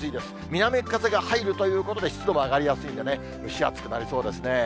南風が入るということで、湿度も上がりやすいんでね、蒸し暑くなりそうですね。